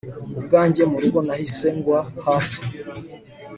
ubwange murugo nahise ngwa hasi